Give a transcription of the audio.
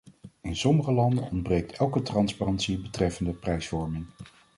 In sommige landen ontbreekt elke transparantie betreffende prijsvorming.